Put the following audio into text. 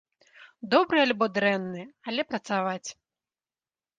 Добры альбо дрэнны, але працаваць.